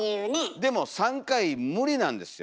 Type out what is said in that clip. でも３回無理なんですよ。